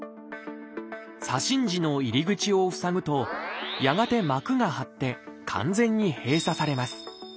左心耳の入り口を塞ぐとやがて膜が張って完全に閉鎖されます。